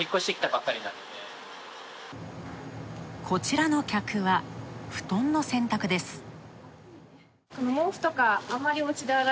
こちらの客は、布団の洗濯です。